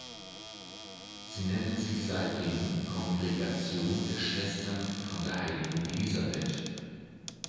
Sie nennen sich seitdem "Kongregation der Schwestern von der heiligen Elisabeth".